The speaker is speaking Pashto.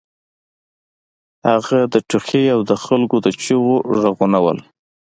هلته د ټوخي او د خلکو د چیغو غږونه وو